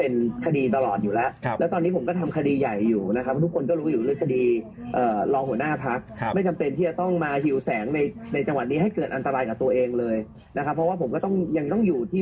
นี่ท้ายตั้มว่าแบบนี้